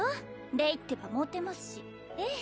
レイってばモテますしええ